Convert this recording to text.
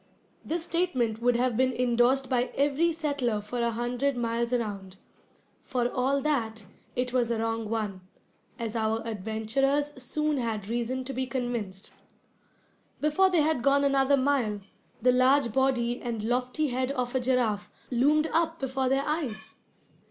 This statement would have been indorsed by every settler for a hundred miles around. For all that, it was a wrong one, as our adventurers soon had reason to be convinced. Before they had gone another mile, the large body and lofty head of a giraffe loomed up before their eyes!